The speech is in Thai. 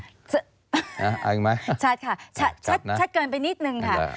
ชัดค่ะชัดเกินไปนิดนึงค่ะ